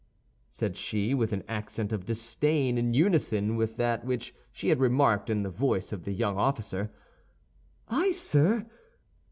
said she, with an accent of disdain in unison with that which she had remarked in the voice of the young officer, "I, sir?